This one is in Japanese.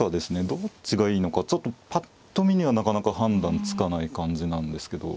どっちがいいのかちょっとぱっと見にはなかなか判断つかない感じなんですけど。